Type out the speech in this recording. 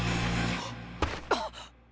あっ！